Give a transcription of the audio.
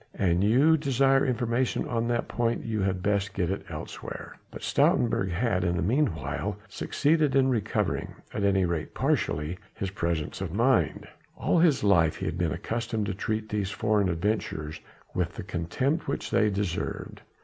An you desire information on that point you had best get it elsewhere." But Stoutenburg had in the meanwhile succeeded in recovering at any rate partially his presence of mind. All his life he had been accustomed to treat these foreign adventurers with the contempt which they deserved.